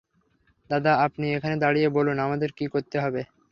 দাদা, আপনি এখানে দাঁড়িয়ে বলুন আমাদের কি করতে হবে।